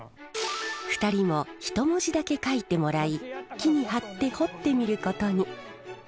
２人も１文字だけ書いてもらい木に貼って彫ってみることに。